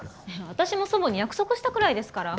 私も祖母に約束したくらいですから。